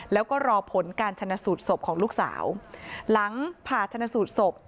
แล้วก็รอผลการชนะสูตรศพของลูกสาวหลังผ่าชนสูตรศพ